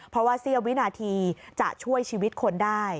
เพราะว่าเสี้ยววินาทีจะช่วยชีวิตคนได้